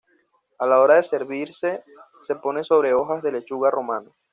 A la hora de servirse se pone sobre hojas de lechuga romana.